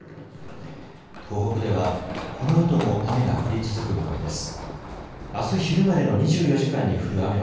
東北ではこのあとも雨が降り続く見込みです。